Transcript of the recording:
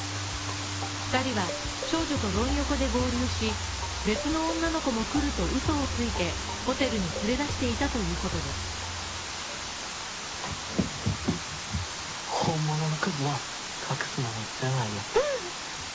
２人は少女とドン横で合流し、別の女の子も来ると嘘をついてホテルに連れ出していたということです。